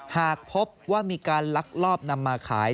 หากพบว่ามีการลักลอบนำมาขาย